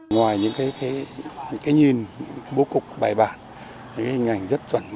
ngoài những cái nhìn bố cục bài bản những hình ảnh rất chuẩn